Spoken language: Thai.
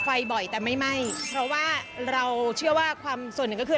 เพราะว่าเราเชื่อว่าความส่วนหนึ่งก็คือ